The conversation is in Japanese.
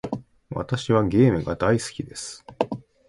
私はゲームが大好きです。